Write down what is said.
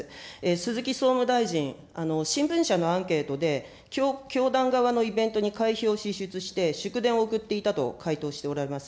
鈴木総務大臣、新聞社のアンケートで、教団側のイベントに会費を支出して、祝電を送っていたと回答しておられます。